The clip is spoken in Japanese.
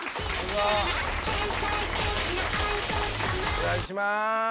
お願いします！